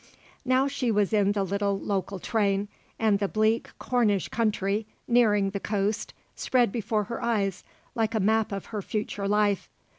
Now she was in the little local train and the bleak Cornish country, nearing the coast, spread before her eyes like a map of her future life.